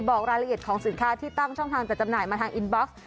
บอกรายละเอียดของสินค้าที่ตั้งช่องทางจัดจำหน่ายมาทางอินบ็อกซ์